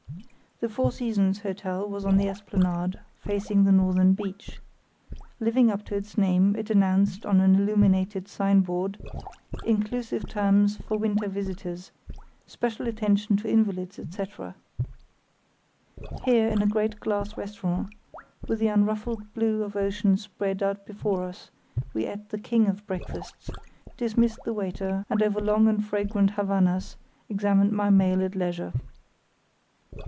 The "Four Seasons" Hotel was on the esplanade facing the northern beach. Living up to its name, it announced on an illuminated signboard, "Inclusive terms for winter visitors; special attention to invalids, etc." Here in a great glass restaurant, with the unruffled blue of ocean spread out before us, we ate the king of breakfasts, dismissed the waiter, and over long and fragrant Havanas examined my mail at leisure.